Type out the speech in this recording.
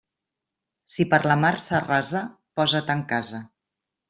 Si per la mar s'arrasa, posa't en casa.